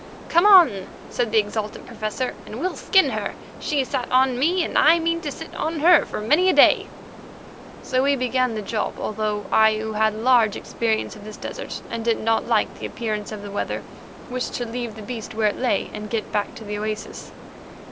"Come on," said the exultant Professor, "and we'll skin her. She sat on me, and I mean to sit on her for many a day." So we began the job, although I, who had large experience of this desert, and did not like the appearance of the weather, wished to leave the beast where it lay and get back to the oasis.